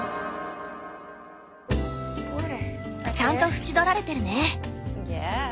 ちゃんと縁取られてるね。